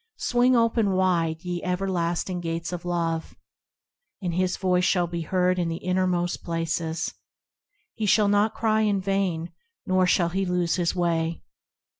Swing open wide, ye everlasting gates of Love ! And his voice shall be heard in the innermost places: He shall not cry in vain, nor shall he lose his way.